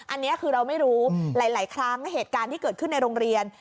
อันนี้คือเราไม่รู้หลายครั้งเหตุการณ์ที่เกิดขึ้นในโรงเรียน